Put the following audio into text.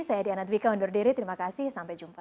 saya diana dwi kewandur diri terima kasih sampai jumpa